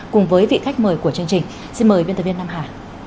cùng với vị khách mời của chương trình xin mời biên tập viên nam hải